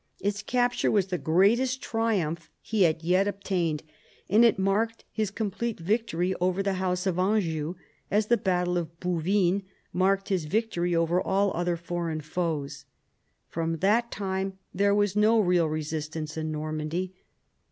Its capture was the greatest triumph he had yet obtained, and it marked his com plete victory over the house of Anjou, as the battle of Bouvines marked his victory over all other foreign foes. From that time there was no real resistance in Normandy.